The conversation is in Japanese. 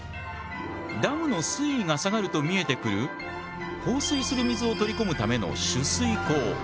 ダムの水位が下がると見えてくる放水する水を取り込むための取水口。